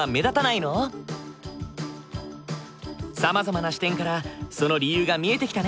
さまざまな視点からその理由が見えてきたね。